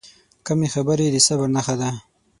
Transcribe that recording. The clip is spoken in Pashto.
کمې خبرې، د صبر نښه ده.